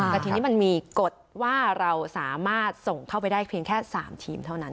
แต่ทีนี้มันมีกฎว่าเราสามารถส่งเข้าไปได้เพียงแค่๓ทีมเท่านั้น